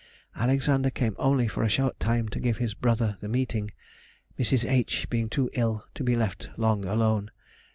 Alexander came only for a short time to give his brother the meeting, Mrs. H. being too ill to be left long alone.